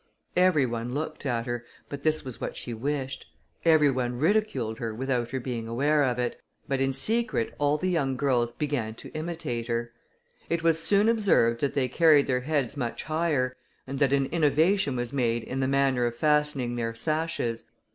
Every one looked at her, but this was what she wished; every one ridiculed her without her being aware of it, but in secret all the young girls began to imitate her. It was soon observed that they carried their heads much higher, and that an innovation was made in the manner of fastening their sashes.